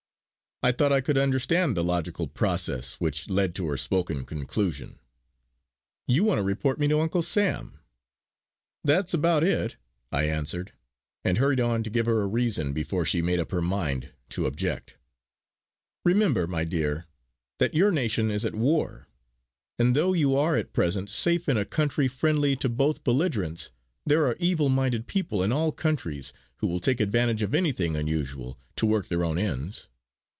I thought I could understand the logical process which led to her spoken conclusion: "You want to report me to 'Uncle Sam'." "That's about it!" I answered, and hurried on to give her a reason before she made up her mind to object. "Remember, my dear, that your nation is at war; and, though you are at present safe in a country friendly to both belligerents, there are evil minded people in all countries who will take advantage of anything unusual, to work their own ends.